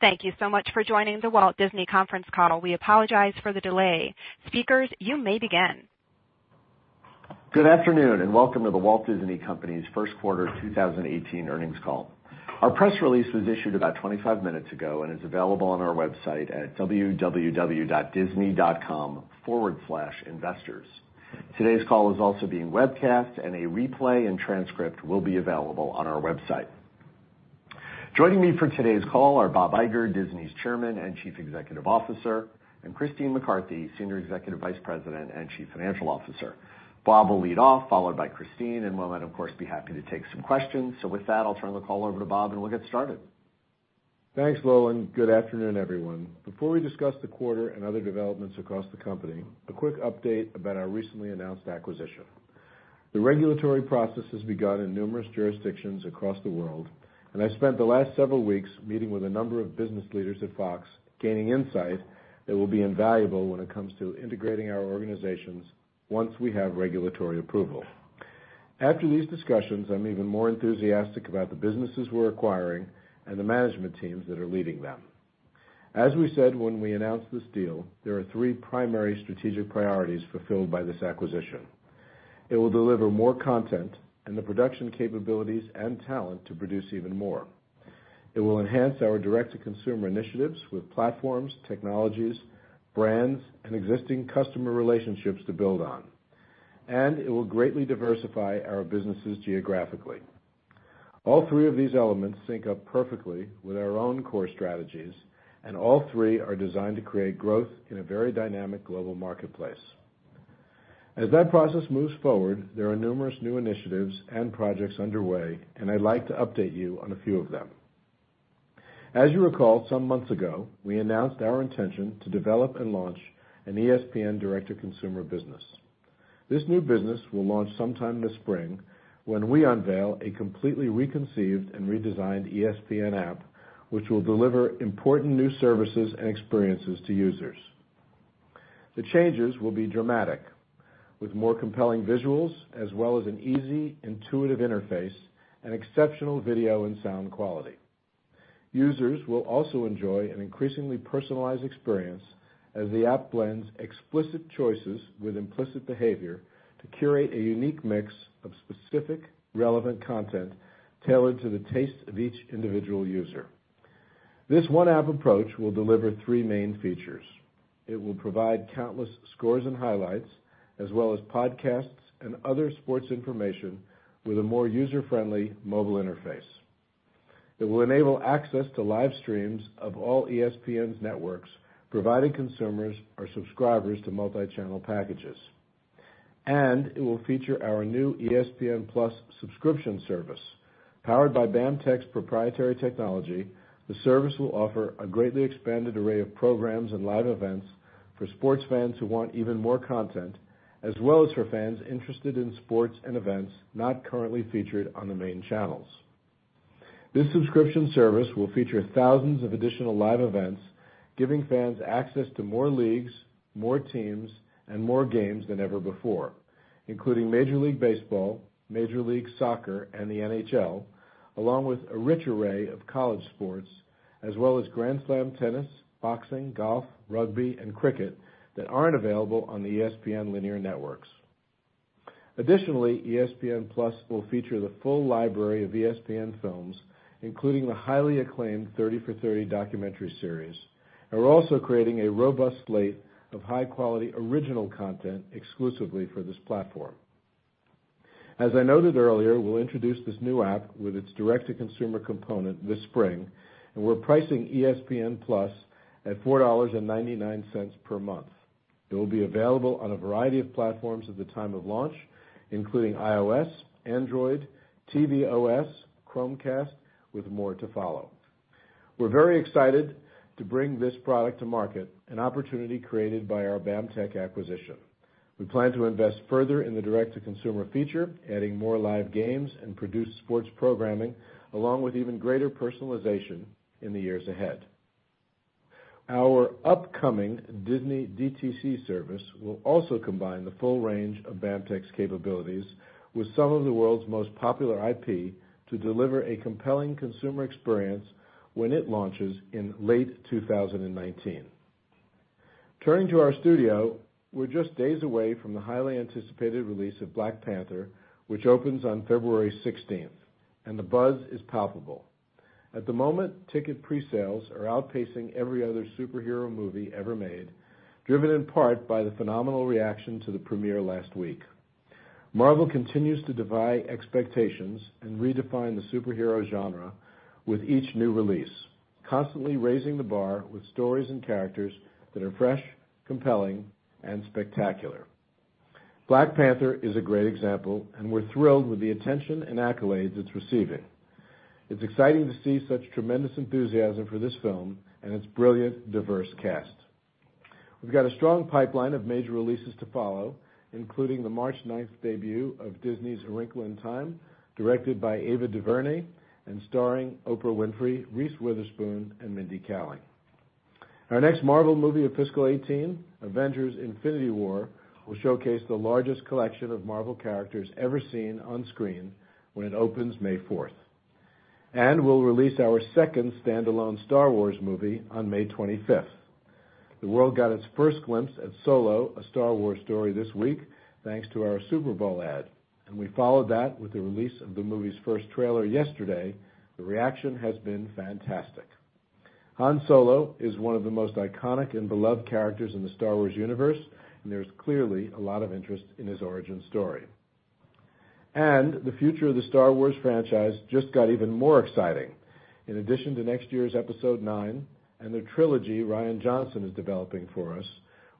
Thank you so much for joining The Walt Disney conference call. We apologize for the delay. Speakers, you may begin. Good afternoon, and welcome to The Walt Disney Company's first quarter 2018 earnings call. Our press release was issued about 25 minutes ago and is available on our website at www.disney.com/investors. Today's call is also being webcast, and a replay and transcript will be available on our website. Joining me for today's call are Bob Iger, Disney's Chairman and Chief Executive Officer, and Christine McCarthy, Senior Executive Vice President and Chief Financial Officer. Bob will lead off, followed by Christine, and we'll then of course, be happy to take some questions. With that, I'll turn the call over to Bob, and we'll get started. Thanks, Lowell, and good afternoon, everyone. Before we discuss the quarter and other developments across the company, a quick update about our recently announced acquisition. The regulatory process has begun in numerous jurisdictions across the world, and I spent the last several weeks meeting with a number of business leaders at Fox, gaining insight that will be invaluable when it comes to integrating our organizations once we have regulatory approval. After these discussions, I'm even more enthusiastic about the businesses we're acquiring and the management teams that are leading them. As we said when we announced this deal, there are three primary strategic priorities fulfilled by this acquisition. It will deliver more content and the production capabilities and talent to produce even more. It will enhance our direct-to-consumer initiatives with platforms, technologies, brands, and existing customer relationships to build on. It will greatly diversify our businesses geographically. All three of these elements sync up perfectly with our own core strategies, and all three are designed to create growth in a very dynamic global marketplace. As that process moves forward, there are numerous new initiatives and projects underway, and I'd like to update you on a few of them. As you recall, some months ago, we announced our intention to develop and launch an ESPN direct-to-consumer business. This new business will launch sometime this spring when we unveil a completely reconceived and redesigned ESPN app, which will deliver important new services and experiences to users. The changes will be dramatic, with more compelling visuals as well as an easy, intuitive interface and exceptional video and sound quality. Users will also enjoy an increasingly personalized experience as the app blends explicit choices with implicit behavior to curate a unique mix of specific, relevant content tailored to the taste of each individual user. This one app approach will deliver three main features. It will provide countless scores and highlights, as well as podcasts and other sports information with a more user-friendly mobile interface. It will enable access to live streams of all ESPN's networks, providing consumers or subscribers to multi-channel packages. It will feature our new ESPN+ subscription service. Powered by BAMTech's proprietary technology, the service will offer a greatly expanded array of programs and live events for sports fans who want even more content, as well as for fans interested in sports and events not currently featured on the main channels. This subscription service will feature thousands of additional live events, giving fans access to more leagues, more teams, and more games than ever before, including Major League Baseball, Major League Soccer, and the NHL, along with a rich array of college sports, as well as Grand Slam tennis, boxing, golf, rugby, and cricket that aren't available on the ESPN linear networks. Additionally, ESPN+ will feature the full library of ESPN films, including the highly acclaimed 30 for 30 documentary series, we're also creating a robust slate of high-quality original content exclusively for this platform. As I noted earlier, we'll introduce this new app with its direct-to-consumer component this spring, we're pricing ESPN+ at $4.99 per month. It will be available on a variety of platforms at the time of launch, including iOS, Android, tvOS, Chromecast, with more to follow. We're very excited to bring this product to market, an opportunity created by our BAMTech acquisition. We plan to invest further in the direct-to-consumer feature, adding more live games and produced sports programming, along with even greater personalization in the years ahead. Our upcoming Disney DTC service will also combine the full range of BAMTech's capabilities with some of the world's most popular IP to deliver a compelling consumer experience when it launches in late 2019. Turning to our studio, we're just days away from the highly anticipated release of Black Panther, which opens on February 16th, the buzz is palpable. At the moment, ticket pre-sales are outpacing every other superhero movie ever made, driven in part by the phenomenal reaction to the premiere last week. Marvel continues to defy expectations and redefine the superhero genre with each new release, constantly raising the bar with stories and characters that are fresh, compelling, and spectacular. Black Panther is a great example, we're thrilled with the attention and accolades it's receiving. It's exciting to see such tremendous enthusiasm for this film and its brilliant, diverse cast. We've got a strong pipeline of major releases to follow, including the March 9th debut of Disney's A Wrinkle in Time, directed by Ava DuVernay and starring Oprah Winfrey, Reese Witherspoon, and Mindy Kaling. Our next Marvel movie of fiscal 2018, "Avengers: Infinity War," will showcase the largest collection of Marvel characters ever seen on screen when it opens May 4th. We'll release our second standalone Star Wars movie on May 25th. The world got its first glimpse at "Solo: A Star Wars Story" this week, thanks to our Super Bowl ad. We followed that with the release of the movie's first trailer yesterday. The reaction has been fantastic. Han Solo is one of the most iconic and beloved characters in the Star Wars universe, and there's clearly a lot of interest in his origin story. The future of the Star Wars franchise just got even more exciting. In addition to next year's Episode IX and the trilogy Rian Johnson is developing for us,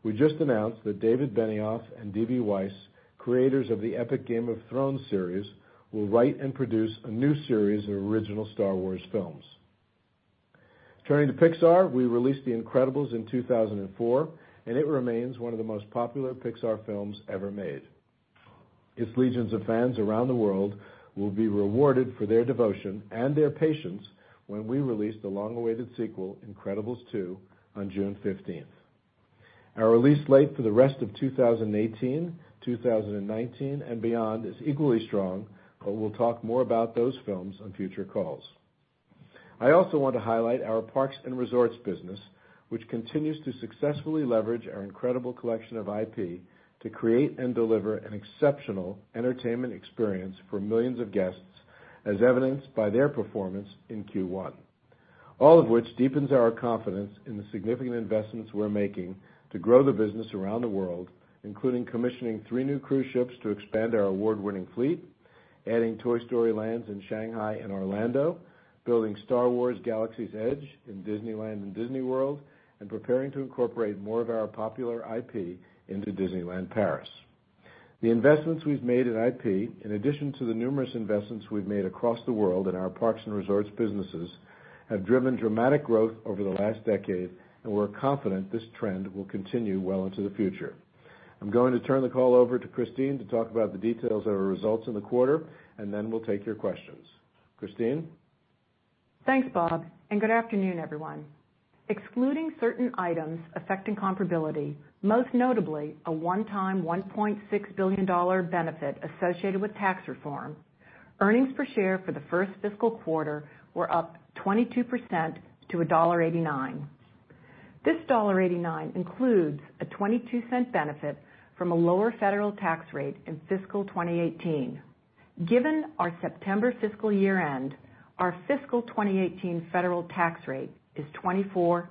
we just announced that David Benioff and D.B. Weiss, creators of the epic "Game of Thrones" series, will write and produce a new series of original Star Wars films. Turning to Pixar, we released "The Incredibles" in 2004, and it remains one of the most popular Pixar films ever made. Its legions of fans around the world will be rewarded for their devotion and their patience when we release the long-awaited sequel, "Incredibles 2," on June 15th. Our release slate for the rest of 2018, 2019, and beyond is equally strong. We'll talk more about those films on future calls. I also want to highlight our parks and resorts business, which continues to successfully leverage our incredible collection of IP to create and deliver an exceptional entertainment experience for millions of guests, as evidenced by their performance in Q1. All of which deepens our confidence in the significant investments we're making to grow the business around the world, including commissioning three new cruise ships to expand our award-winning fleet, adding Toy Story lands in Shanghai and Orlando, building Star Wars: Galaxy's Edge in Disneyland and Disney World, and preparing to incorporate more of our popular IP into Disneyland Paris. The investments we've made in IP, in addition to the numerous investments we've made across the world in our parks and resorts businesses, have driven dramatic growth over the last decade. We're confident this trend will continue well into the future. I'm going to turn the call over to Christine to talk about the details of our results in the quarter. Then we'll take your questions. Christine? Thanks, Bob. Good afternoon, everyone. Excluding certain items affecting comparability, most notably a one-time $1.6 billion benefit associated with tax reform, earnings per share for the first fiscal quarter were up 22% to $1.89. This $1.89 includes a $0.22 benefit from a lower federal tax rate in fiscal 2018. Given our September fiscal year-end, our fiscal 2018 federal tax rate is 24.5%.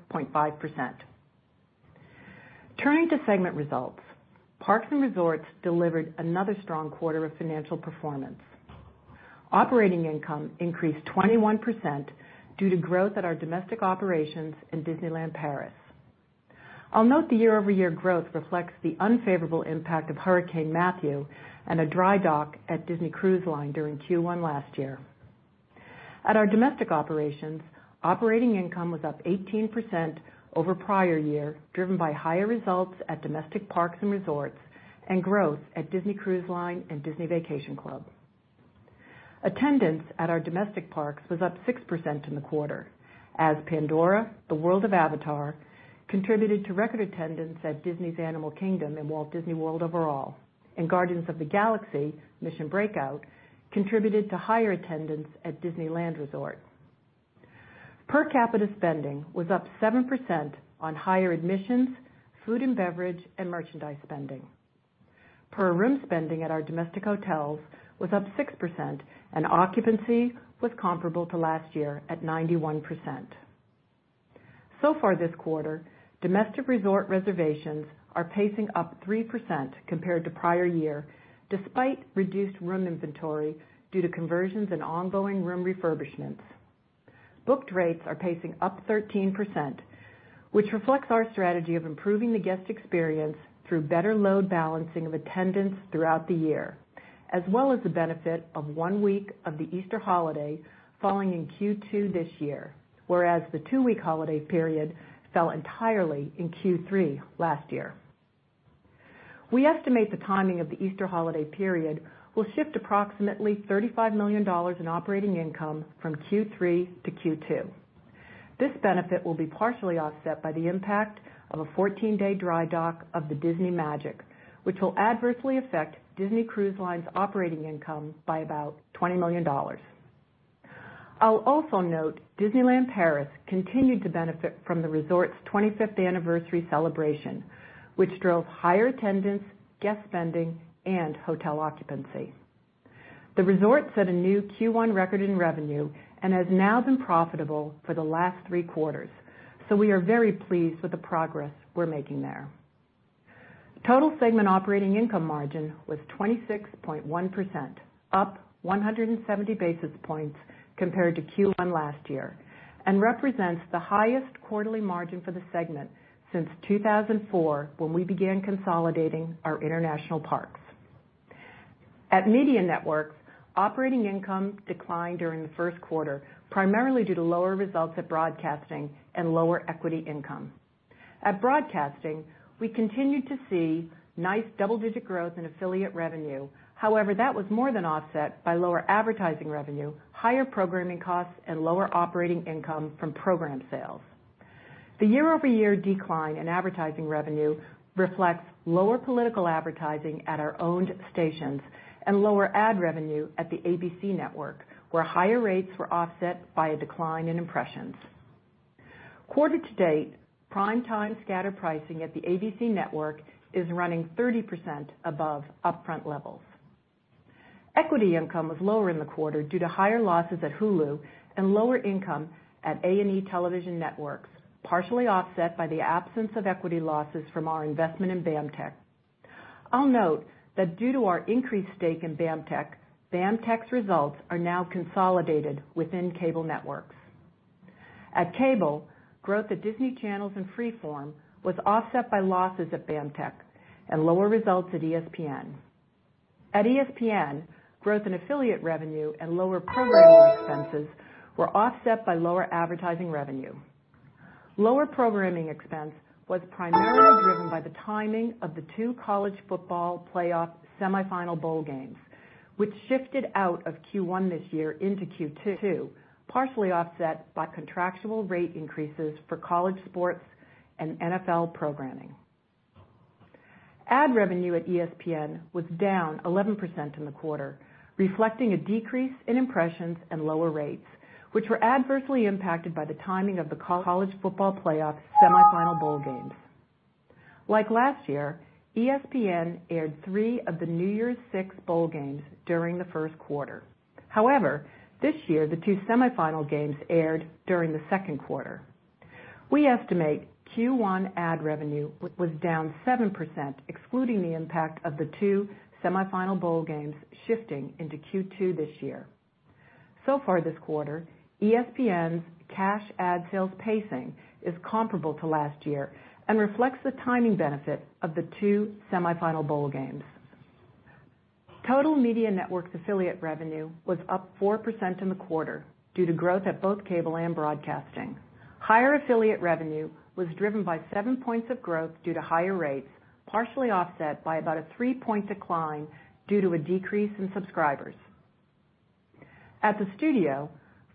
Turning to segment results, parks and resorts delivered another strong quarter of financial performance. Operating income increased 21% due to growth at our domestic operations in Disneyland Paris. I'll note the year-over-year growth reflects the unfavorable impact of Hurricane Matthew and a dry dock at Disney Cruise Line during Q1 last year. At our domestic operations, operating income was up 18% over prior year, driven by higher results at domestic parks and resorts and growth at Disney Cruise Line and Disney Vacation Club. Attendance at our domestic parks was up 6% in the quarter, as Pandora: The World of Avatar contributed to record attendance at Disney's Animal Kingdom and Walt Disney World overall, and Guardians of the Galaxy: Mission: BREAKOUT! contributed to higher attendance at Disneyland Resort. Per capita spending was up 7% on higher admissions, food and beverage, and merchandise spending. Per room spending at our domestic hotels was up 6%, and occupancy was comparable to last year at 91%. Far this quarter, domestic resort reservations are pacing up 3% compared to prior year, despite reduced room inventory due to conversions and ongoing room refurbishments. Booked rates are pacing up 13%, which reflects our strategy of improving the guest experience through better load balancing of attendance throughout the year, as well as the benefit of one week of the Easter holiday falling in Q2 this year, whereas the two-week holiday period fell entirely in Q3 last year. We estimate the timing of the Easter holiday period will shift approximately $35 million in operating income from Q3 to Q2. This benefit will be partially offset by the impact of a 14-day dry dock of the Disney Magic, which will adversely affect Disney Cruise Line's operating income by about $20 million. I'll also note Disneyland Paris continued to benefit from the resort's 25th anniversary celebration, which drove higher attendance, guest spending, and hotel occupancy. The resort set a new Q1 record in revenue and has now been profitable for the last three quarters. We are very pleased with the progress we're making there. Total segment operating income margin was 26.1%, up 170 basis points compared to Q1 last year and represents the highest quarterly margin for the segment since 2004, when we began consolidating our international parks. At Media Networks, operating income declined during the first quarter, primarily due to lower results at broadcasting and lower equity income. At broadcasting, we continued to see nice double-digit growth in affiliate revenue. However, that was more than offset by lower advertising revenue, higher programming costs, and lower operating income from program sales. The year-over-year decline in advertising revenue reflects lower political advertising at our owned stations and lower ad revenue at the ABC Network, where higher rates were offset by a decline in impressions. Quarter to date, prime time scatter pricing at the ABC Network is running 30% above upfront levels. Equity income was lower in the quarter due to higher losses at Hulu and lower income at A+E Networks, partially offset by the absence of equity losses from our investment in BAMTech. I'll note that due to our increased stake in BAMTech's results are now consolidated within Cable Networks. At Cable, growth at Disney Channels and Freeform was offset by losses at BAMTech and lower results at ESPN. At ESPN, growth in affiliate revenue and lower programming expenses were offset by lower advertising revenue. Lower programming expense was primarily driven by the timing of the two college football playoff semifinal bowl games, which shifted out of Q1 this year into Q2, partially offset by contractual rate increases for college sports and NFL programming. Ad revenue at ESPN was down 11% in the quarter, reflecting a decrease in impressions and lower rates, which were adversely impacted by the timing of the college football playoff semifinal bowl games. Like last year, ESPN aired three of the New Year's Six bowl games during the first quarter. However, this year, the two semifinal games aired during the second quarter. We estimate Q1 ad revenue was down 7%, excluding the impact of the two semifinal bowl games shifting into Q2 this year. So far this quarter, ESPN's cash ad sales pacing is comparable to last year and reflects the timing benefit of the two semifinal bowl games. Total Media Networks affiliate revenue was up 4% in the quarter due to growth at both Cable and Broadcasting. Higher affiliate revenue was driven by seven points of growth due to higher rates, partially offset by about a three-point decline due to a decrease in subscribers. At the Studio,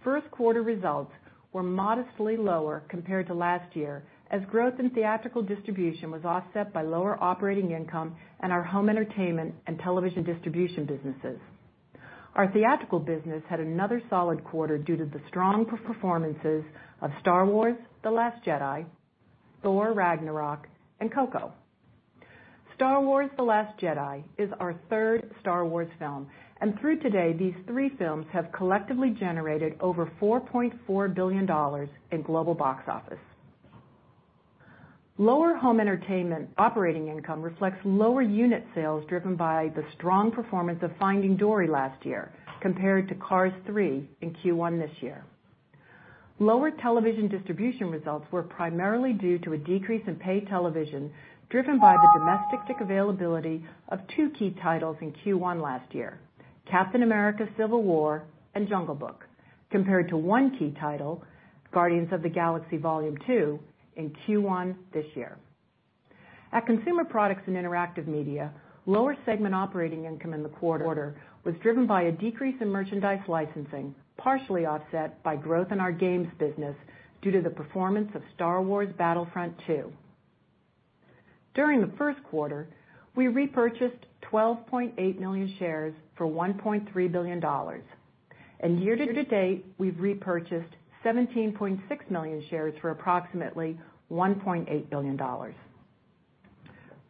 first quarter results were modestly lower compared to last year, as growth in theatrical distribution was offset by lower operating income in our home entertainment and television distribution businesses. Our theatrical business had another solid quarter due to the strong performances of Star Wars: The Last Jedi, Thor: Ragnarok, and Coco. Star Wars: The Last Jedi is our third Star Wars film, and through today, these three films have collectively generated over $4.4 billion in global box office. Lower home entertainment operating income reflects lower unit sales driven by the strong performance of Finding Dory last year compared to Cars 3 in Q1 this year. Lower television distribution results were primarily due to a decrease in paid television driven by the domestic availability of two key titles in Q1 last year, Captain America: Civil War and The Jungle Book, compared to one key title, Guardians of the Galaxy Vol. 2, in Q1 this year. At Consumer Products and Interactive Media, lower segment operating income in the quarter was driven by a decrease in merchandise licensing, partially offset by growth in our games business due to the performance of Star Wars Battlefront II. During the first quarter, we repurchased 12.8 million shares for $1.3 billion. Year-to-date, we've repurchased 17.6 million shares for approximately $1.8 billion.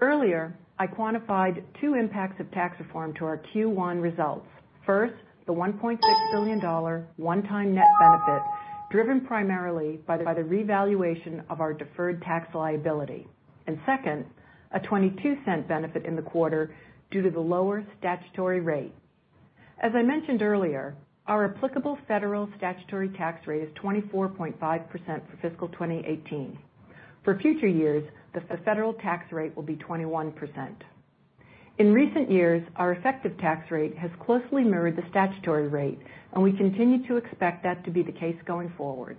Earlier, I quantified two impacts of tax reform to our Q1 results. First, the $1.6 billion one-time net benefit driven primarily by the revaluation of our deferred tax liability. Second, a $0.22 benefit in the quarter due to the lower statutory rate. As I mentioned earlier, our applicable federal statutory tax rate is 24.5% for fiscal 2018. For future years, the federal tax rate will be 21%. In recent years, our effective tax rate has closely mirrored the statutory rate, and we continue to expect that to be the case going forward.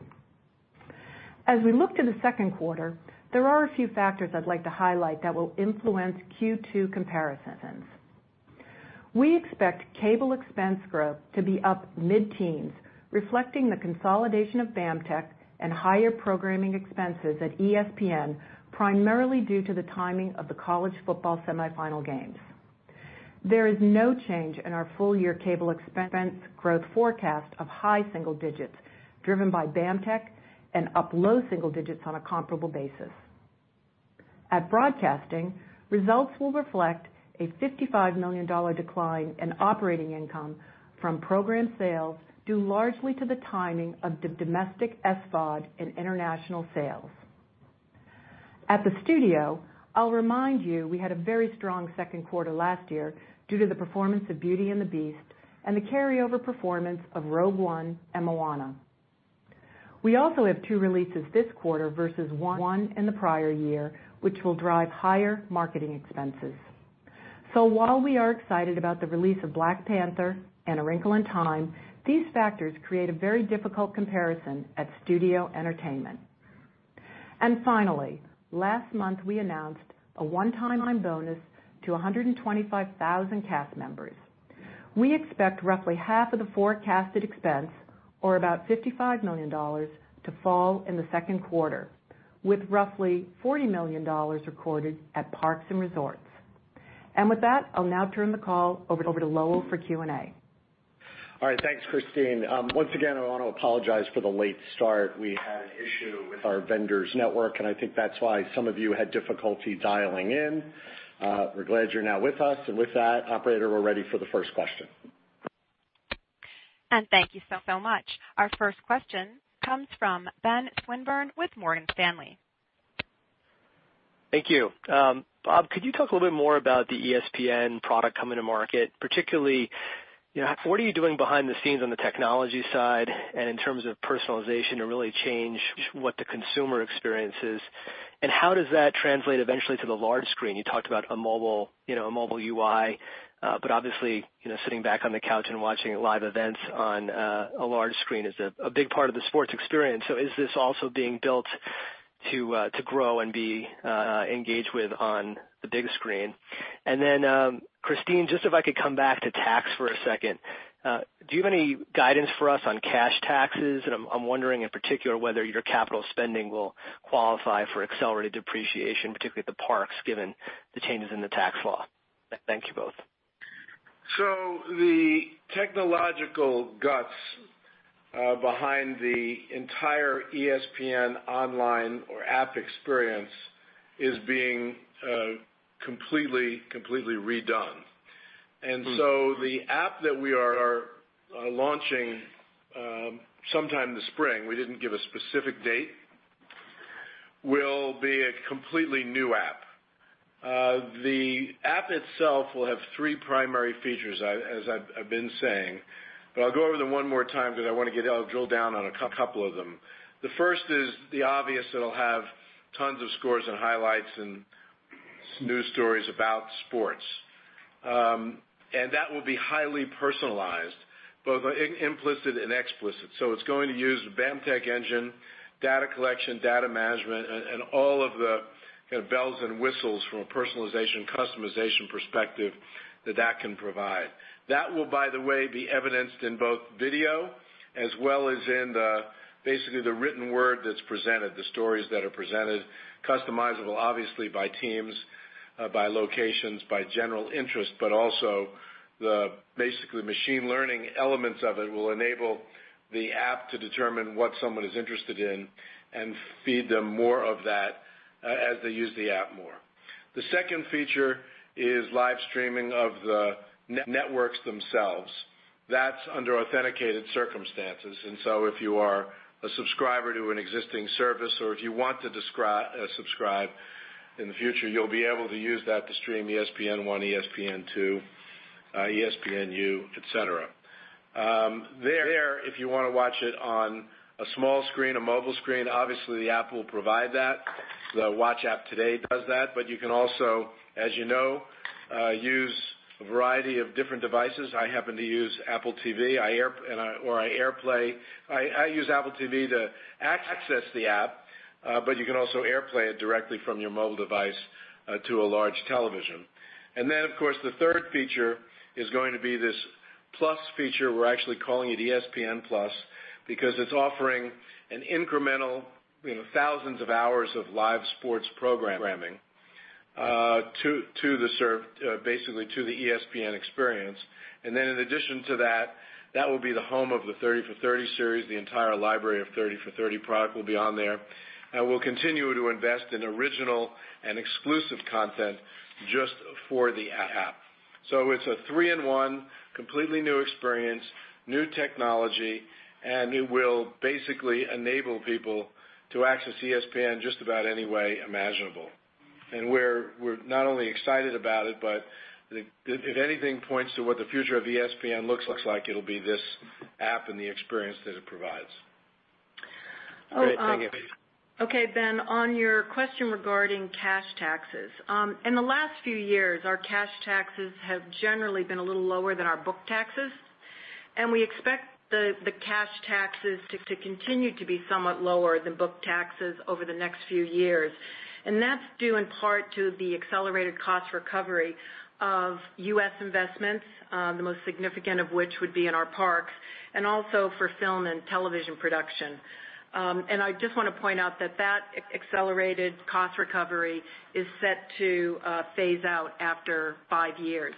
As we look to the second quarter, there are a few factors I'd like to highlight that will influence Q2 comparisons. We expect cable expense growth to be up mid-teens, reflecting the consolidation of BAMTech and higher programming expenses at ESPN, primarily due to the timing of the college football semifinal games. There is no change in our full-year cable expense growth forecast of high single digits driven by BAMTech and up low single digits on a comparable basis. At Broadcasting, results will reflect a $55 million decline in operating income from program sales due largely to the timing of domestic SVOD and international sales. At the Studio, I'll remind you we had a very strong second quarter last year due to the performance of Beauty and the Beast and the carryover performance of Rogue One and Moana. We also have two releases this quarter versus one in the prior year, which will drive higher marketing expenses. While we are excited about the release of Black Panther and A Wrinkle in Time, these factors create a very difficult comparison at Studio Entertainment. Finally, last month, we announced a one-time bonus to 125,000 cast members. We expect roughly half of the forecasted expense, or about $55 million, to fall in the second quarter, with roughly $40 million recorded at Parks and Resorts. With that, I'll now turn the call over to Lowell for Q&A. All right. Thanks, Christine. Once again, I want to apologize for the late start. We had an issue with our vendor's network. I think that's why some of you had difficulty dialing in. We're glad you're now with us. With that, operator, we're ready for the first question. Thank you so much. Our first question comes from Ben Swinburne with Morgan Stanley. Thank you. Bob, could you talk a little bit more about the ESPN product coming to market, particularly, what are you doing behind the scenes on the technology side and in terms of personalization to really change what the consumer experience is, and how does that translate eventually to the large screen? You talked about a mobile UI, but obviously, sitting back on the couch and watching live events on a large screen is a big part of the sports experience. Is this also being built to grow and be engaged with on the big screen? Christine, just if I could come back to tax for a second. Do you have any guidance for us on cash taxes? I'm wondering in particular whether your capital spending will qualify for accelerated depreciation, particularly at the parks, given the changes in the tax law. Thank you both. The technological guts behind the entire ESPN online or app experience is being completely redone. The app that we are launching sometime this spring, we didn't give a specific date, will be a completely new app. The app itself will have three primary features, as I've been saying, but I'll go over them one more time because I want to drill down on a couple of them. The first is the obvious. It'll have tons of scores and highlights and news stories about sports. That will be highly personalized, both implicit and explicit. It's going to use a BAMTech engine, data collection, data management, and all of the bells and whistles from a personalization, customization perspective that that can provide. That will, by the way, be evidenced in both video as well as in basically the written word that's presented, the stories that are presented, customizable obviously by teams, by locations, by general interest, but also the basically machine learning elements of it will enable the app to determine what someone is interested in and feed them more of that as they use the app more. The second feature is live streaming of the networks themselves. That's under authenticated circumstances. If you are a subscriber to an existing service, or if you want to subscribe in the future, you'll be able to use that to stream ESPN, ESPN2, ESPNU, et cetera. There, if you want to watch it on a small screen, a mobile screen, obviously the app will provide that. The watch app today does that. You can also, as you know, use a variety of different devices. I happen to use Apple TV or I AirPlay. I use Apple TV to access the app, but you can also AirPlay it directly from your mobile device to a large television. Of course, the third feature is going to be this plus feature. We're actually calling it ESPN+ because it's offering an incremental thousands of hours of live sports programming basically to the ESPN experience. In addition to that will be the home of the 30 for 30 series. The entire library of 30 for 30 product will be on there. We'll continue to invest in original and exclusive content just for the app. It's a three-in-one, completely new experience, new technology, and it will basically enable people to access ESPN just about any way imaginable. We're not only excited about it, but if anything points to what the future of ESPN looks like, it'll be this app and the experience that it provides. Great. Thank you. Okay, Ben, on your question regarding cash taxes. In the last few years, our cash taxes have generally been a little lower than our book taxes. We expect the cash taxes to continue to be somewhat lower than book taxes over the next few years. That's due in part to the accelerated cost recovery of U.S. investments, the most significant of which would be in our parks and also for film and television production. I just want to point out that accelerated cost recovery is set to phase out after five years.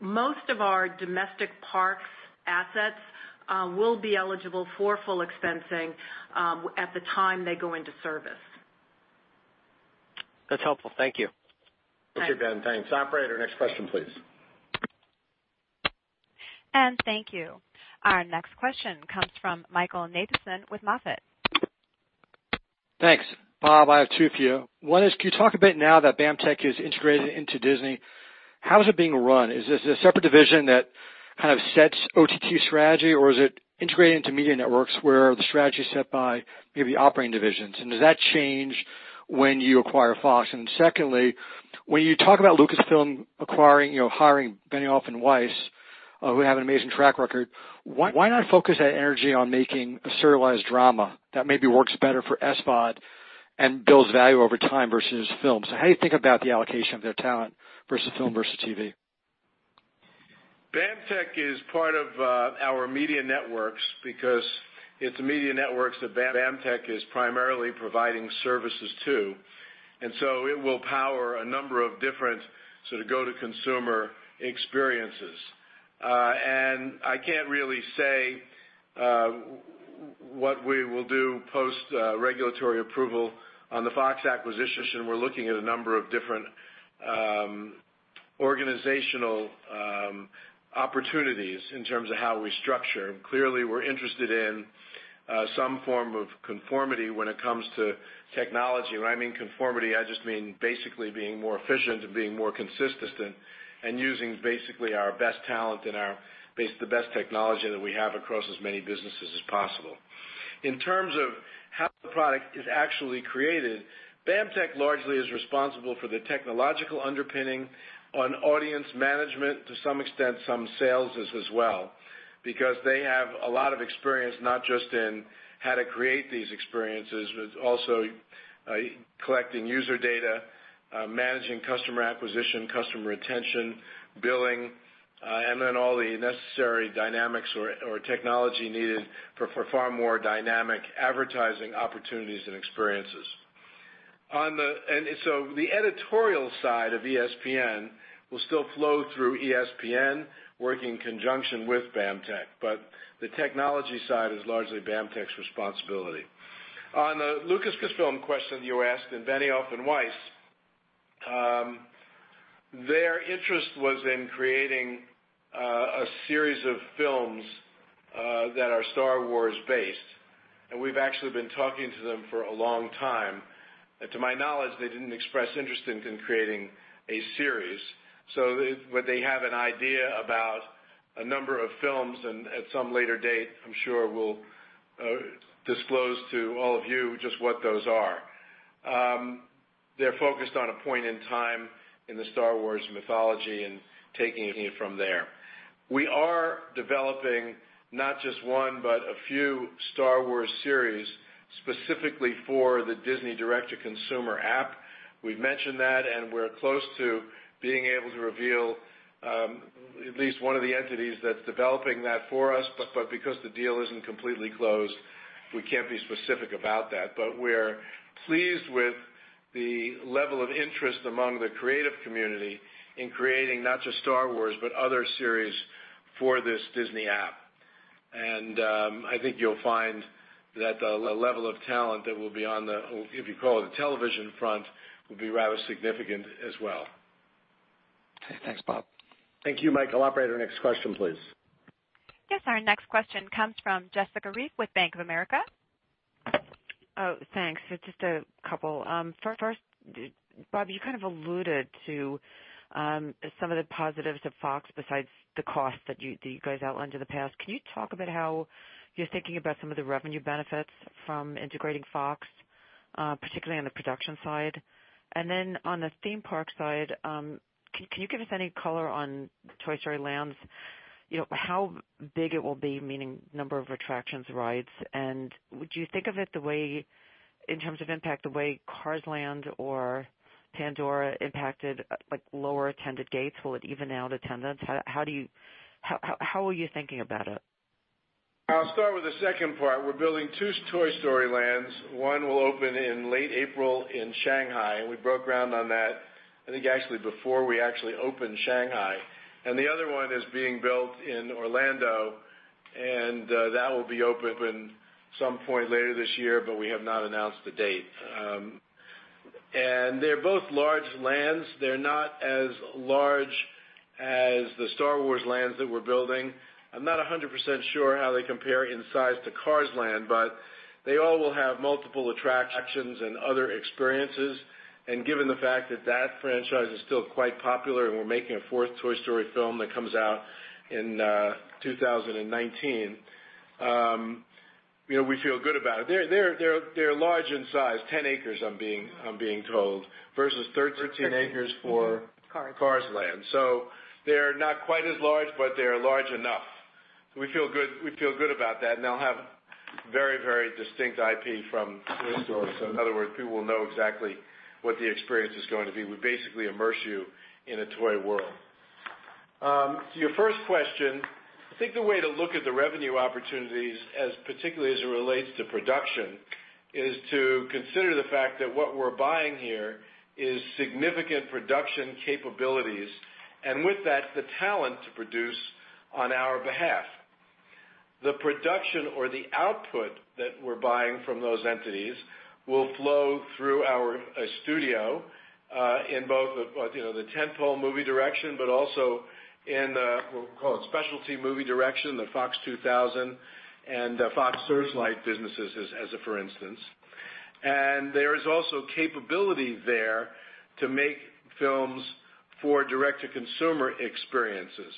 Most of our domestic parks assets will be eligible for full expensing at the time they go into service. That's helpful. Thank you. Thank you, Ben. Thanks. Operator, next question, please. Thank you. Our next question comes from Michael Nathanson with MoffettNathanson. Thanks. Bob, I have two for you. One is, can you talk a bit now that BAMTech is integrated into Disney, how is it being run? Is this a separate division that kind of sets OTT strategy, or is it integrated into media networks where the strategy is set by maybe operating divisions? Does that change when you acquire Fox? Secondly, when you talk about Lucasfilm acquiring, hiring Benioff and Weiss, who have an amazing track record. Why not focus that energy on making a serialized drama that maybe works better for SVOD and builds value over time versus films? How do you think about the allocation of their talent versus film versus TV? BAMTech is part of our media networks because it's media networks that BAMTech is primarily providing services to. It will power a number of different go-to-consumer experiences. I can't really say what we will do post-regulatory approval on the Fox acquisition. We're looking at a number of different organizational opportunities in terms of how we structure. Clearly, we're interested in some form of conformity when it comes to technology. When I mean conformity, I just mean basically being more efficient and being more consistent and using basically our best talent and the best technology that we have across as many businesses as possible. In terms of how the product is actually created, BAMTech largely is responsible for the technological underpinning on audience management, to some extent, some sales as well. They have a lot of experience, not just in how to create these experiences, but also collecting user data, managing customer acquisition, customer retention, billing, and all the necessary dynamics or technology needed for far more dynamic advertising opportunities and experiences. The editorial side of ESPN will still flow through ESPN, work in conjunction with BAMTech. The technology side is largely BAMTech's responsibility. On the Lucasfilm question you asked and Benioff and Weiss, their interest was in creating a series of films that are Star Wars-based, and we've actually been talking to them for a long time. To my knowledge, they didn't express interest in creating a series. They have an idea about a number of films and at some later date, I'm sure we'll disclose to all of you just what those are. They're focused on a point in time in the Star Wars mythology and taking it from there. We are developing not just one, but a few Star Wars series specifically for the Disney DTC app. We've mentioned that, and we're close to being able to reveal at least one of the entities that's developing that for us. Because the deal isn't completely closed, we can't be specific about that. We're pleased with the level of interest among the creative community in creating not just Star Wars, but other series for this Disney app. I think you'll find that the level of talent that will be on the, if you call it, the television front, will be rather significant as well. Okay. Thanks, Bob. Thank you, Michael. Operator, next question, please. Our next question comes from Jessica Reif with Bank of America. Thanks. Just a couple. First, Bob, you kind of alluded to some of the positives of Fox besides the cost that you guys outlined in the past. Can you talk about how you're thinking about some of the revenue benefits from integrating Fox, particularly on the production side? Then on the theme park side, can you give us any color on Toy Story Land? How big it will be, meaning number of attractions, rides, and would you think of it the way, in terms of impact, the way Cars Land or Pandora impacted lower attended gates? Will it even out attendance? How are you thinking about it? I'll start with the second part. We're building two Toy Story Lands. One will open in late April in Shanghai, we broke ground on that, I think actually before we actually opened Shanghai. The other one is being built in Orlando, and that will be open some point later this year, but we have not announced the date. They're both large lands. They're not as large as the Star Wars lands that we're building. I'm not 100% sure how they compare in size to Cars Land, but they all will have multiple attractions and other experiences. Given the fact that franchise is still quite popular, and we're making a fourth Toy Story film that comes out in 2019, we feel good about it. They're large in size, 10 acres, I'm being told, versus 13 acres for- Cars Cars Land. They're not quite as large, but they're large enough. We feel good about that, and they'll have very distinct IP from Toy Story. In other words, people will know exactly what the experience is going to be. We basically immerse you in a toy world. To your first question, I think the way to look at the revenue opportunities, particularly as it relates to production, is to consider the fact that what we're buying here is significant production capabilities, and with that, the talent to produce on our behalf. The production or the output that we're buying from those entities will flow through our studio in both the tent-pole movie direction, but also in the, we'll call it specialty movie direction, the Fox 2000 and Fox Searchlight businesses as a for instance. There is also capability there to make films for direct-to-consumer experiences.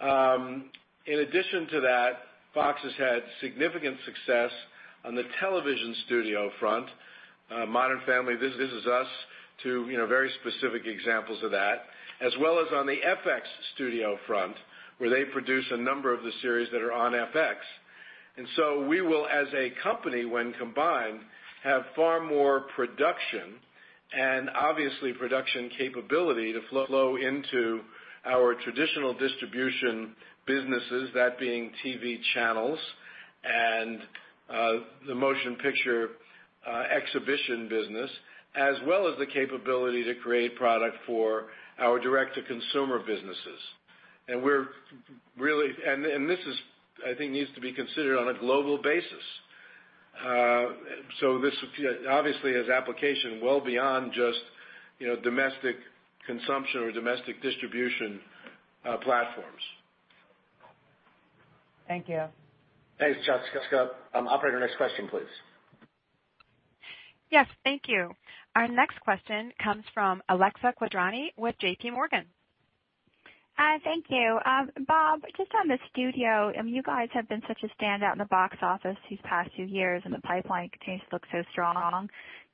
In addition to that, Fox has had significant success on the television studio front, Modern Family, This Is Us, two very specific examples of that, as well as on the FX studio front, where they produce a number of the series that are on FX. We will, as a company, when combined, have far more production and obviously production capability to flow into our traditional distribution businesses, that being TV channels and the motion picture exhibition business, as well as the capability to create product for our direct-to-consumer businesses. This, I think, needs to be considered on a global basis. This obviously has application well beyond just domestic consumption or domestic distribution platforms. Thank you. Thanks, Jessica. Operator, next question, please. Yes, thank you. Our next question comes from Alexia Quadrani with J.P. Morgan. Hi, thank you. Bob, just on the studio, you guys have been such a standout in the box office these past few years, the pipeline continues to look so strong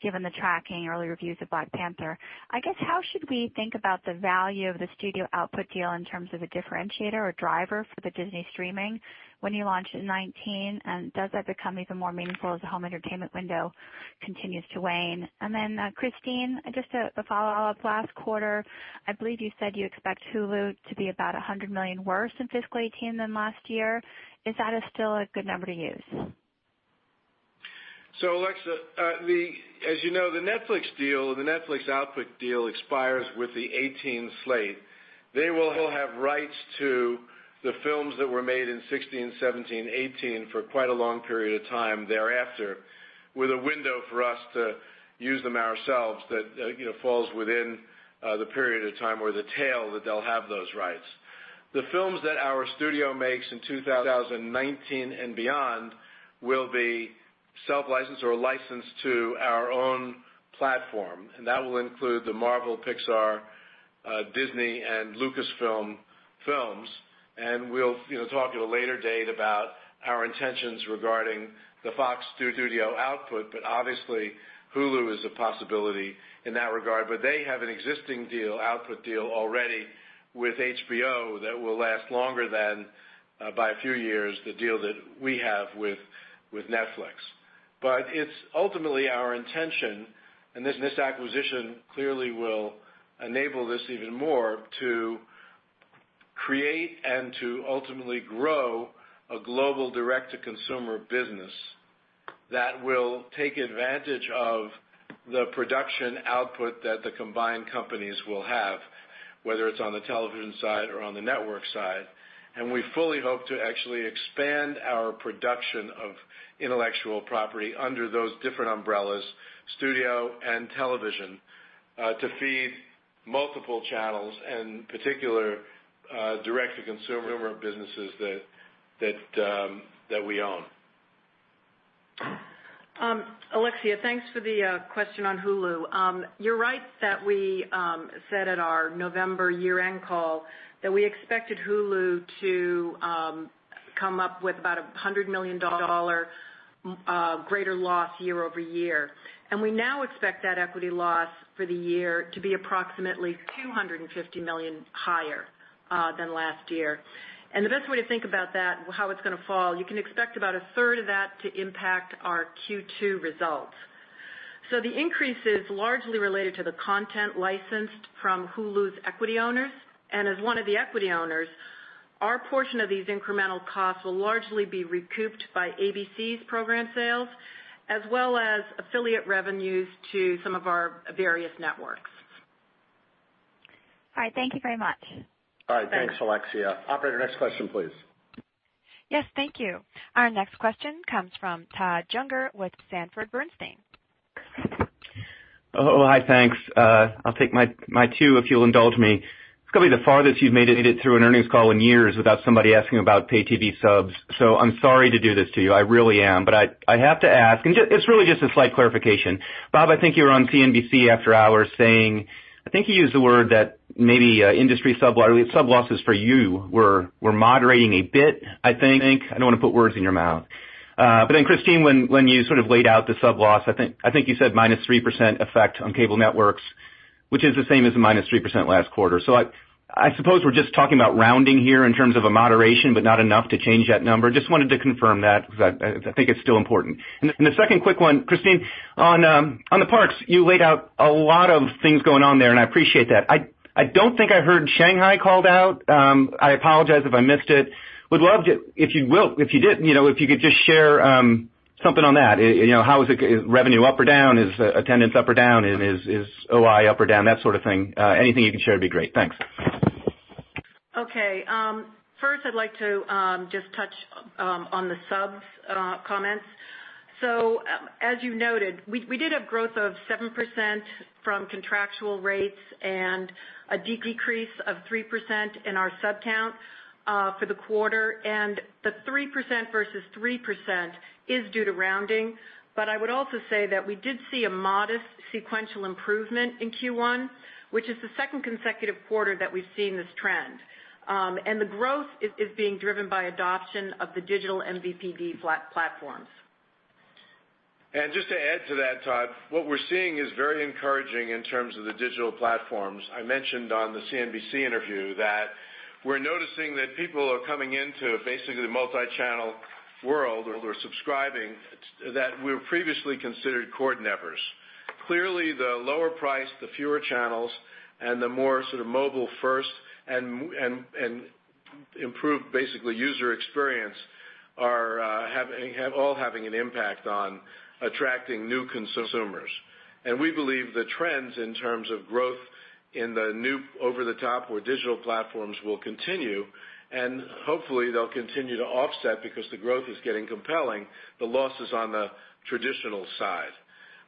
given the tracking early reviews of Black Panther. How should we think about the value of the studio output deal in terms of a differentiator or driver for the Disney streaming when you launch in 2019? Does that become even more meaningful as the home entertainment window continues to wane? Christine, just a follow-up. Last quarter, I believe you said you expect Hulu to be about $100 million worse in fiscal 2018 than last year. Is that still a good number to use? Alexia, as you know, the Netflix output deal expires with the 2018 slate. They will have rights to the films that were made in 2016, 2017, 2018 for quite a long period of time thereafter, with a window for us to use them ourselves that falls within the period of time or the tail that they'll have those rights. The films that our studio makes in 2019 and beyond will be self-licensed or licensed to our own platform, that will include the Marvel, Pixar, Disney, and Lucasfilm films. We'll talk at a later date about our intentions regarding the Fox Studio output. Obviously, Hulu is a possibility in that regard, they have an existing output deal already with HBO that will last longer than by a few years the deal that we have with Netflix. It's ultimately our intention, and this acquisition clearly will enable this even more to create and to ultimately grow a global direct-to-consumer business that will take advantage of the production output that the combined companies will have, whether it's on the television side or on the network side. We fully hope to actually expand our production of intellectual property under those different umbrellas, studio and television, to feed multiple channels and particular direct-to-consumer businesses that we own. Alexia, thanks for the question on Hulu. You're right that we said at our November year-end call that we expected Hulu to come up with about $100 million greater loss year-over-year. We now expect that equity loss for the year to be approximately $250 million higher than last year. The best way to think about that, how it's going to fall, you can expect about a third of that to impact our Q2 results. The increase is largely related to the content licensed from Hulu's equity owners. As one of the equity owners, our portion of these incremental costs will largely be recouped by ABC's program sales as well as affiliate revenues to some of our various networks. All right. Thank you very much. All right. Thanks, Alexia. Operator, next question, please. Yes, thank you. Our next question comes from Todd Juenger with Sanford Bernstein. Hi. Thanks. I'll take my two if you'll indulge me. It's got to be the farthest you've made it through an earnings call in years without somebody asking about pay TV subs. I'm sorry to do this to you. I really am. I have to ask, and it's really just a slight clarification. Bob, I think you were on CNBC after hours saying, I think you used the word that maybe industry sub losses for you were moderating a bit, I think. I don't want to put words in your mouth. Christine, when you sort of laid out the sub-loss, I think you said -3% effect on cable networks, which is the same as the -3% last quarter. I suppose we're just talking about rounding here in terms of a moderation, but not enough to change that number. Just wanted to confirm that because I think it's still important. The second quick one, Christine, on the parks, you laid out a lot of things going on there, and I appreciate that. I don't think I heard Shanghai called out. I apologize if I missed it. Would love to, if you will, if you did, if you could just share something on that. Is revenue up or down? Is attendance up or down? Is OI up or down? That sort of thing. Anything you can share would be great. Thanks. Okay. First I'd like to just touch on the subs comments. As you noted, we did have growth of 7% from contractual rates and a decrease of 3% in our sub count for the quarter. The 3% versus 3% is due to rounding. I would also say that we did see a modest sequential improvement in Q1, which is the second consecutive quarter that we've seen this trend. The growth is being driven by adoption of the digital MVPD platforms. Just to add to that, Todd, what we're seeing is very encouraging in terms of the digital platforms. I mentioned on the CNBC interview that we're noticing that people are coming into basically the multi-channel world or they're subscribing, that were previously considered cord nevers. Clearly, the lower price, the fewer channels, and the more sort of mobile first and improved basically user experience are all having an impact on attracting new consumers. We believe the trends in terms of growth in the new over-the-top or digital platforms will continue, and hopefully they'll continue to offset because the growth is getting compelling, the losses on the traditional side.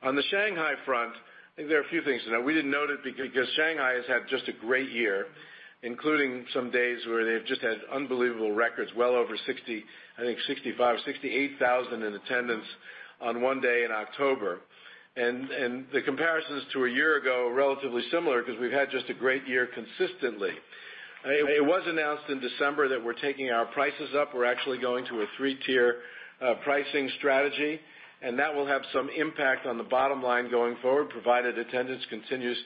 On the Shanghai front, I think there are a few things to know. We didn't note it because Shanghai has had just a great year, including some days where they've just had unbelievable records, well over 60, 65, or 68,000 in attendance on one day in October. The comparisons to a year ago are relatively similar because we've had just a great year consistently. It was announced in December that we're taking our prices up. We're actually going to a 3-tier pricing strategy, that will have some impact on the bottom line going forward, provided attendance continues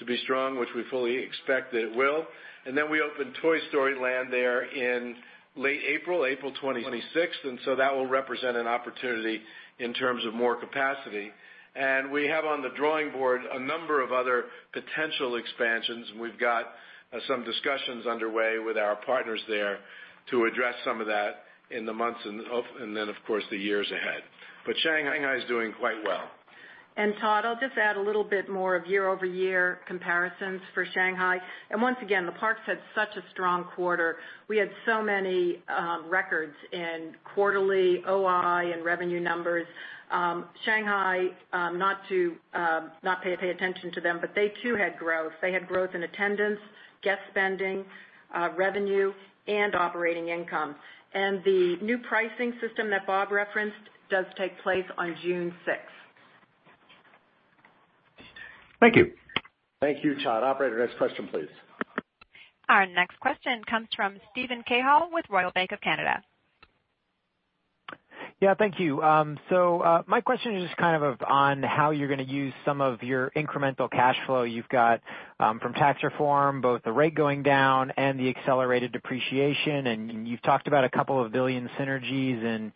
to be strong, which we fully expect that it will. We open Toy Story Land there in late April 26th. That will represent an opportunity in terms of more capacity. We have on the drawing board a number of other potential expansions. We've got some discussions underway with our partners there to address some of that in the months, then of course the years ahead. Shanghai is doing quite well. Todd, I'll just add a little bit more of year-over-year comparisons for Shanghai. Once again, the parks had such a strong quarter. We had so many records in quarterly OI and revenue numbers. Shanghai, not to pay attention to them, they too had growth. They had growth in attendance, guest spending, revenue, and operating income. The new pricing system that Bob referenced does take place on June 6th. Thank you. Thank you, Todd. Operator, next question, please. Our next question comes from Steven Cahall with Royal Bank of Canada. Yeah, thank you. My question is just on how you're going to use some of your incremental cash flow you've got from tax reform, both the rate going down and the accelerated depreciation, and you've talked about a couple of billion synergies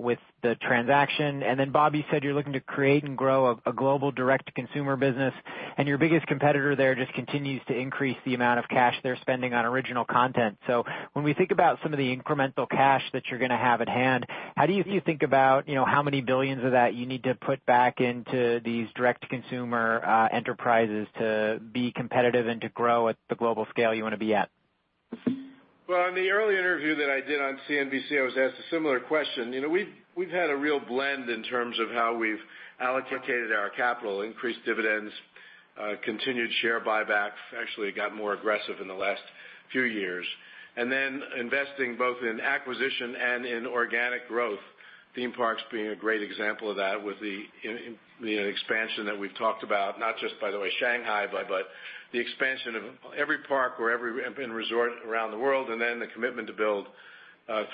with the transaction. Bob, you said you're looking to create and grow a global direct-to-consumer business and your biggest competitor there just continues to increase the amount of cash they're spending on original content. When we think about some of the incremental cash that you're going to have at hand, how do you think about how many billions of that you need to put back into these direct-to-consumer enterprises to be competitive and to grow at the global scale you want to be at? Well, in the early interview that I did on CNBC, I was asked a similar question. We've had a real blend in terms of how we've allocated our capital, increased dividends, continued share buyback. Actually, it got more aggressive in the last few years. Investing both in acquisition and in organic growth, theme parks being a great example of that with the expansion that we've talked about, not just by the way, Shanghai, but the expansion of every park or every resort around the world, and then the commitment to build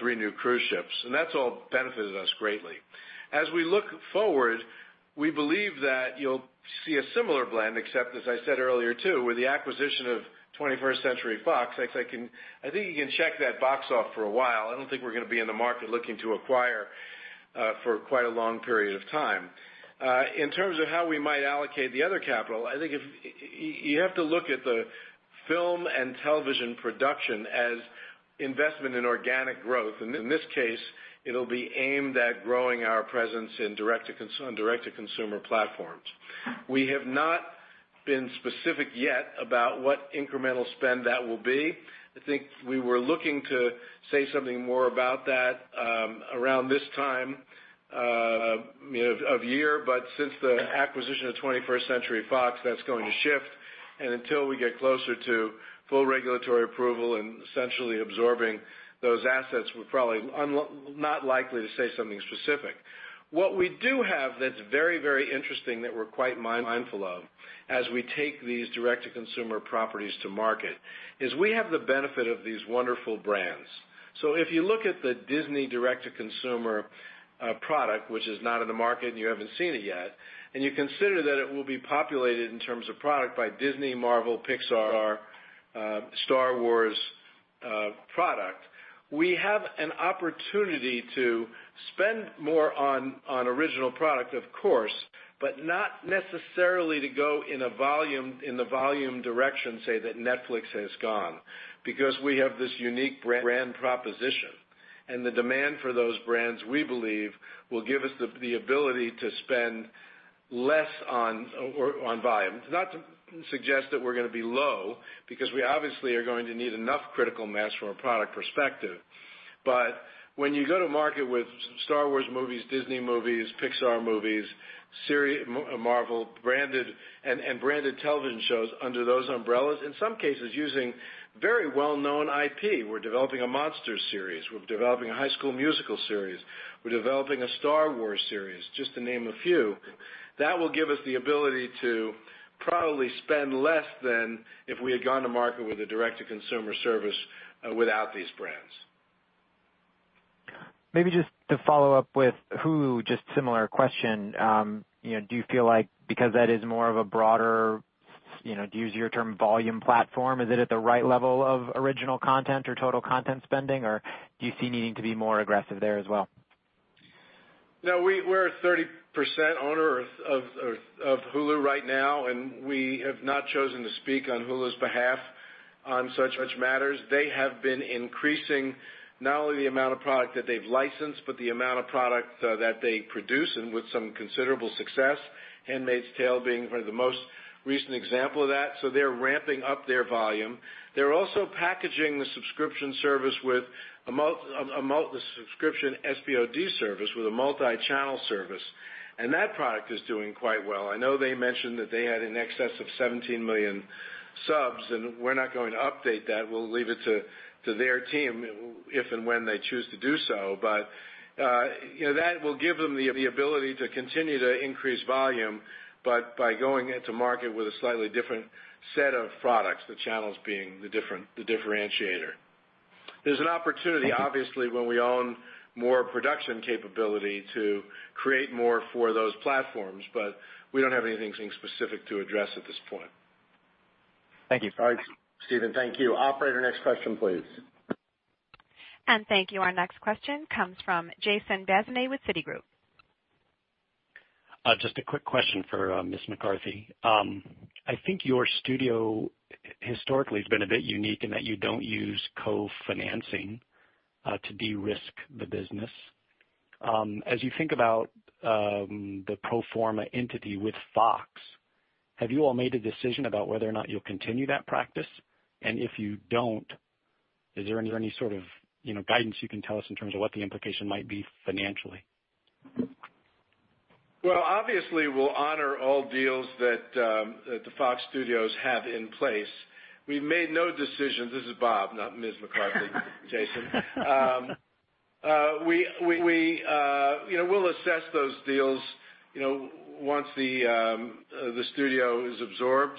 three new cruise ships. That's all benefited us greatly. As we look forward, we believe that you'll see a similar blend except as I said earlier, too, with the acquisition of 21st Century Fox, I think you can check that box off for a while. I don't think we're going to be in the market looking to acquire for quite a long period of time. In terms of how we might allocate the other capital, I think you have to look at the film and television production as investment in organic growth. In this case, it'll be aimed at growing our presence in direct-to-consumer platforms. We have not been specific yet about what incremental spend that will be. I think we were looking to say something more about that around this time of year, since the acquisition of 21st Century Fox, that's going to shift, until we get closer to full regulatory approval and essentially absorbing those assets, we're probably not likely to say something specific. What we do have that's very interesting that we're quite mindful of as we take these direct-to-consumer properties to market is we have the benefit of these wonderful brands. If you look at the Disney direct-to-consumer product, which is not in the market and you haven't seen it yet, and you consider that it will be populated in terms of product by Disney, Marvel, Pixar, Star Wars product, we have an opportunity to spend more on original product, of course, but not necessarily to go in the volume direction, say, that Netflix has gone because we have this unique brand proposition and the demand for those brands, we believe, will give us the ability to spend less on volume. It's not to suggest that we're going to be low because we obviously are going to need enough critical mass from a product perspective. When you go to market with Star Wars movies, Disney movies, Pixar movies, Marvel, and branded television shows under those umbrellas, in some cases using very well-known IP. We're developing a Monsters series. We're developing a High School Musical series. We're developing a Star Wars series, just to name a few. That will give us the ability to probably spend less than if we had gone to market with a direct-to-consumer service without these brands. Maybe just to follow up with Hulu, just similar question. Do you feel like because that is more of a broader, to use your term, volume platform, is it at the right level of original content or total content spending, or do you see needing to be more aggressive there as well? We're a 30% owner of Hulu right now, and we have not chosen to speak on Hulu's behalf on such matters. They have been increasing not only the amount of product that they've licensed, but the amount of product that they produce, and with some considerable success. The Handmaid's Tale being the most recent example of that. They're ramping up their volume. They're also packaging the subscription SVOD service with a multi-channel service, and that product is doing quite well. I know they mentioned that they had in excess of 17 million subs, and we're not going to update that. We'll leave it to their team if and when they choose to do so. That will give them the ability to continue to increase volume, but by going into market with a slightly different set of products, the channels being the differentiator. There's an opportunity, obviously, when we own more production capability to create more for those platforms, but we don't have anything specific to address at this point. Thank you. All right, Steven. Thank you. Operator, next question, please. Thank you. Our next question comes from Jason Bazinet with Citigroup. Just a quick question for Ms. McCarthy. I think your studio historically has been a bit unique in that you don't use co-financing to de-risk the business. As you think about the pro forma entity with Fox, have you all made a decision about whether or not you'll continue that practice? If you don't, is there any sort of guidance you can tell us in terms of what the implication might be financially? Well, obviously, we'll honor all deals that the Fox Studios have in place. We've made no decisions. This is Bob, not Ms. McCarthy, Jason. We'll assess those deals once the studio is absorbed.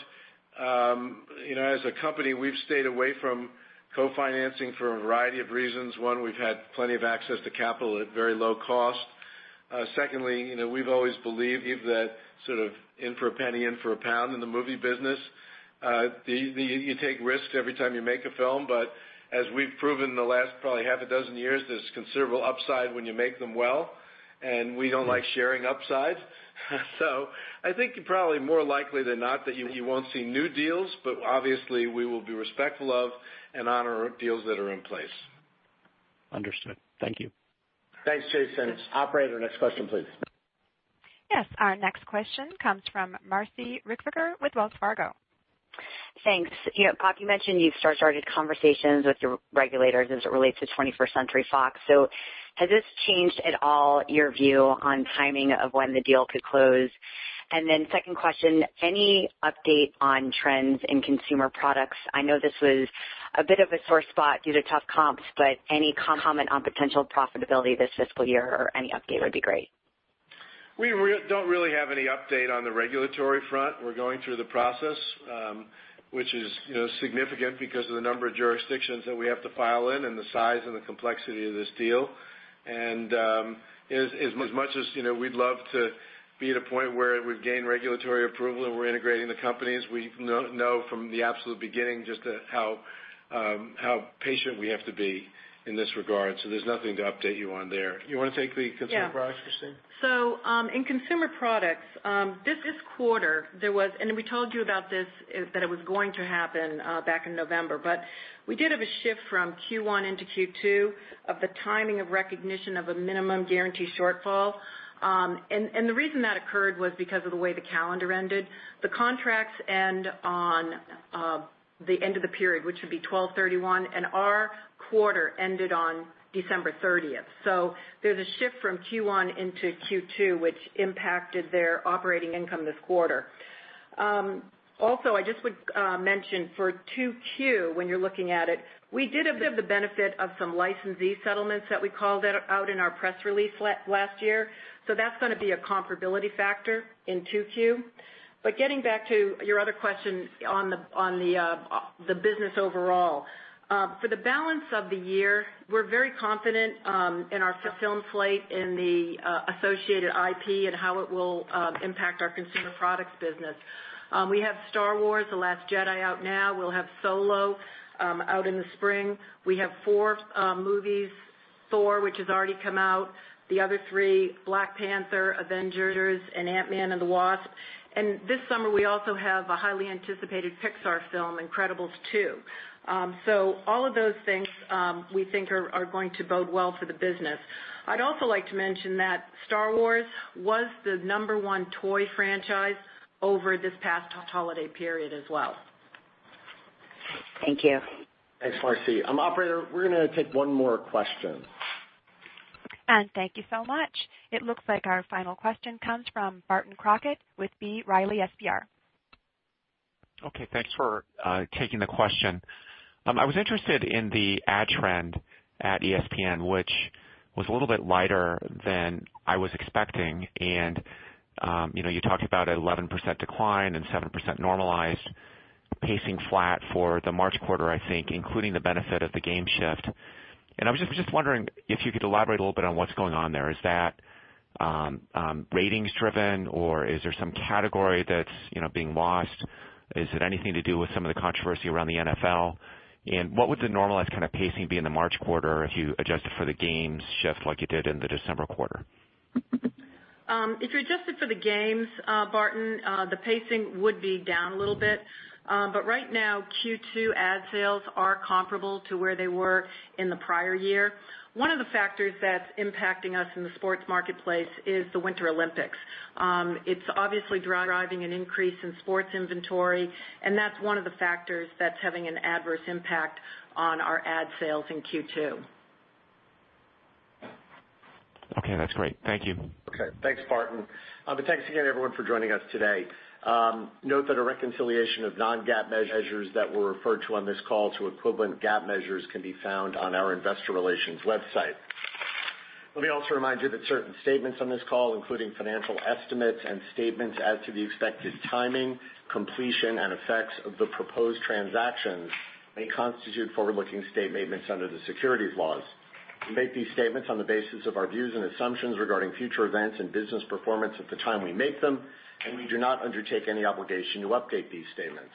As a company, we've stayed away from co-financing for a variety of reasons. One, we've had plenty of access to capital at very low cost. Secondly, we've always believed that sort of in for a penny, in for a pound in the movie business. You take risks every time you make a film, but as we've proven in the last probably half a dozen years, there's considerable upside when you make them well, and we don't like sharing upside. I think probably more likely than not that you won't see new deals, obviously, we will be respectful of and honor deals that are in place. Understood. Thank you. Thanks, Jason. Operator, next question, please. Yes, our next question comes from Marci Ryvicker with Wells Fargo. Thanks. Bob, you mentioned you've started conversations with your regulators as it relates to 21st Century Fox. Has this changed at all your view on timing of when the deal could close? Second question, any update on trends in consumer products? I know this was a bit of a sore spot due to tough comps, but any comment on potential profitability this fiscal year or any update would be great. We don't really have any update on the regulatory front. We're going through the process, which is significant because of the number of jurisdictions that we have to file in and the size and the complexity of this deal. As much as we'd love to be at a point where we've gained regulatory approval and we're integrating the companies, we know from the absolute beginning just how patient we have to be in this regard. There's nothing to update you on there. You want to take the consumer products, Christine? In consumer products, this quarter, we told you about this, that it was going to happen back in November, we did have a shift from Q1 into Q2 of the timing of recognition of a minimum guarantee shortfall. The reason that occurred was because of the way the calendar ended. The contracts end on the end of the period, which would be 12/31, and our quarter ended on December 30th. There's a shift from Q1 into Q2, which impacted their operating income this quarter. I just would mention for 2Q, when you're looking at it, we did have the benefit of some licensee settlements that we called out in our press release last year. That's going to be a comparability factor in 2Q. Getting back to your other question on the business overall. For the balance of the year, we're very confident in our film slate and the associated IP and how it will impact our consumer products business. We have "Star Wars: The Last Jedi" out now. We'll have "Solo" out in the spring. We have four movies. "Thor," which has already come out, the other three, "Black Panther," "Avengers," and "Ant-Man and The Wasp." This summer, we also have a highly anticipated Pixar film, "Incredibles 2." All of those things we think are going to bode well for the business. I'd also like to mention that Star Wars was the number one toy franchise over this past holiday period as well. Thank you. Thanks, Marci. Operator, we're going to take one more question. Thank you so much. It looks like our final question comes from Barton Crockett with B. Riley FBR. Okay, thanks for taking the question. I was interested in the ad trend at ESPN, which was a little bit lighter than I was expecting, and you talked about an 11% decline and 7% normalized pacing flat for the March quarter, I think, including the benefit of the game shift. I was just wondering if you could elaborate a little bit on what's going on there. Is that ratings driven or is there some category that's being lost? Is it anything to do with some of the controversy around the NFL? What would the normalized kind of pacing be in the March quarter if you adjusted for the games shift like you did in the December quarter? If you adjusted for the games, Barton, the pacing would be down a little bit. Right now, Q2 ad sales are comparable to where they were in the prior year. One of the factors that's impacting us in the sports marketplace is the Winter Olympics. It's obviously driving an increase in sports inventory, and that's one of the factors that's having an adverse impact on our ad sales in Q2. Okay. That's great. Thank you. Okay. Thanks, Barton. Thanks again, everyone, for joining us today. Note that a reconciliation of non-GAAP measures that were referred to on this call to equivalent GAAP measures can be found on our investor relations website. Let me also remind you that certain statements on this call, including financial estimates and statements as to the expected timing, completion, and effects of the proposed transactions, may constitute forward-looking statements under the securities laws. We make these statements on the basis of our views and assumptions regarding future events and business performance at the time we make them, and we do not undertake any obligation to update these statements.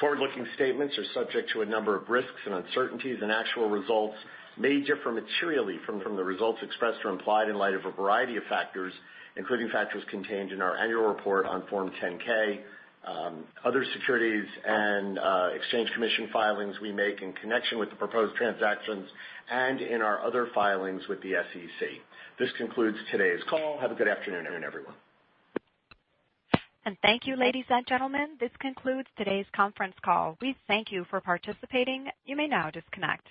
Forward-looking statements are subject to a number of risks and uncertainties. Actual results may differ materially from the results expressed or implied in light of a variety of factors, including factors contained in our annual report on Form 10-K, other Securities and Exchange Commission filings we make in connection with the proposed transactions, and in our other filings with the SEC. This concludes today's call. Have a good afternoon, everyone. Thank you, ladies and gentlemen. This concludes today's conference call. We thank you for participating. You may now disconnect.